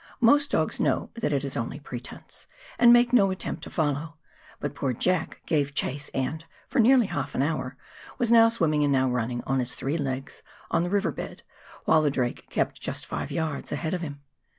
Most dogs know that it is only pretence, and make no attempt to follow, but poor "Jack" gave chase and, for nearly half an hour, was now swimming and now running on his three legs on the river bed, while the drake kept just five yards ahead of him.